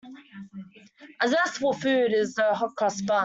A zestful food is the hot-cross bun.